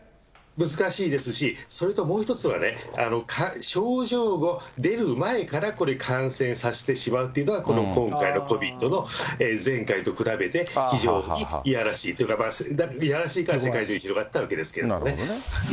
難しいですし、それともう１つは症状が出る前から、これ感染させてしまうというのが、この今回のＣＯＶＩＤの前回と比べて非常にいやらしいというか、いやらしいから世界中に広がったわけですけどもね。